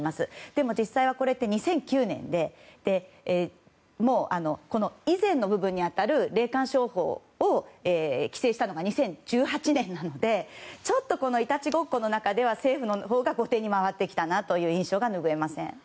でも、実際には２００９年以前の部分に当たる霊感商法を規制したのが２０１８年なのでちょっとイタチごっこの中では政府のほうが後手に回ってきたなという印象がぬぐえません。